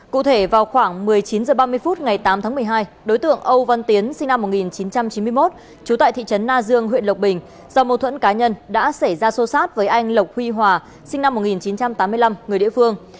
cụ thể vào khoảng một mươi chín h ba mươi phút ngày tám tháng một mươi hai đối tượng âu văn tiến sinh năm một nghìn chín trăm chín mươi một trú tại thị trấn na dương huyện lộc bình do mâu thuẫn cá nhân đã xảy ra xô xát với anh lộc huy hòa sinh năm một nghìn chín trăm tám mươi năm người địa phương